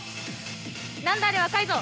何だあれは赤いぞ。